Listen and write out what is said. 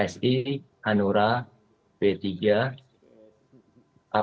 sekarang dipanggil itu